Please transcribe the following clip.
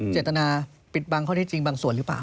เจตนาปิดบังข้อได้จริงบางส่วนหรือเปล่า